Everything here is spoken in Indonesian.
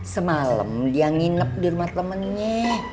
semalam dia nginep di rumah temennya